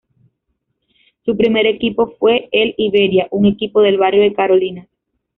Su primer equipo fue el Iberia, un equipo del barrio de Carolinas.